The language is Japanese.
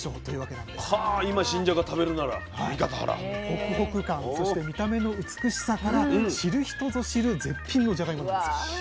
ホクホク感そして見た目の美しさから知る人ぞ知る絶品のじゃがいもなんです。